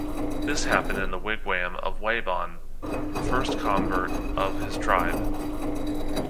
This happened in the wigwam of Waban, the first convert of his tribe.